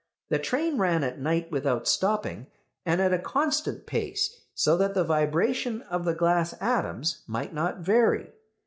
The train ran at night without stopping, and at a constant pace, so that the vibration of the glass atoms might not vary.